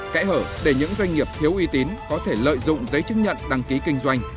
kẽ hở để những doanh nghiệp thiếu uy tín có thể lợi dụng giấy chứng nhận đăng ký kinh doanh